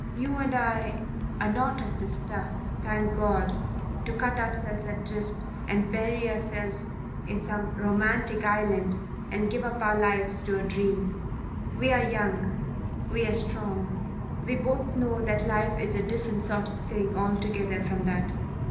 You and I are not of the stuff, thank God, to cut ourselves adrift and bury ourselves in some romantic island and give up our lives to a dream. We're young. We're strong. We both know that life is a different sort of thing altogether from that.